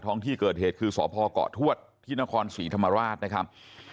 ที่เกิดเหตุคือสพเกาะทวดที่นครศรีธรรมราชนะครับ